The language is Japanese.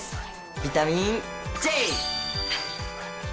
ビタミンＪ！